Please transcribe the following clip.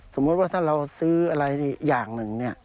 สมมุติว่าถ้าเราซื้ออะไรอย่างหนึ่งเนี่ย